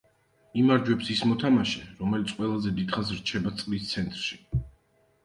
იმარჯვებს ის მოთამაშე, რომელიც ყველაზე დიდხანს რჩება წრის ცენტრში.